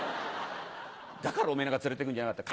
だからおめぇなんか連れてくるんじゃなかった。